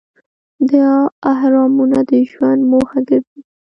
دا اهرامونه د ژوند موخه ګرځي.